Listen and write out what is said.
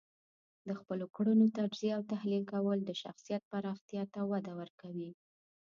د خپلو کړنو تجزیه او تحلیل کول د شخصیت پراختیا ته وده ورکوي.